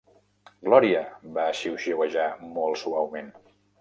"Gloria" va xiuxiuejar molt suaument.